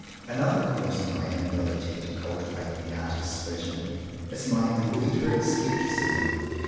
Another cause of my inability to cultivate the artist's vision is my inveterate scepticism.